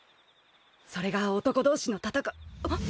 それが男同士の戦いあっ。